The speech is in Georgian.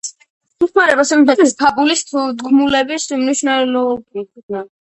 იხმარება სიუჟეტის, ფაბულის, თქმულების მნიშვნელობითაც.